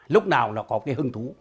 lúc nào nó có cái hương thú